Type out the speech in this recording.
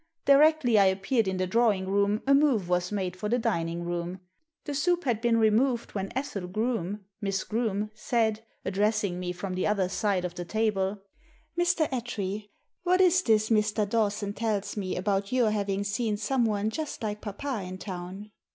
Directly I appeared in the drawing room a move was made for iJie dining room. The soup had been removed when Ethel Groome — Miss Groome — said, addressing me from the other side of the table — "Mr. Attree, what is this Mr. Dawson tells me about your having seen someone just like papa in town?"